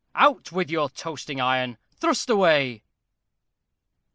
_ Out with your toasting iron! Thrust away!